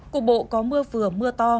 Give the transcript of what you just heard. cụ bộ có mưa vừa mưa to